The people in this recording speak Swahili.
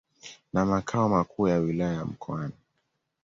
na makao makuu ya Wilaya ya Mkoani.